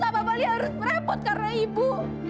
apa apa dia harus merepot karena ibu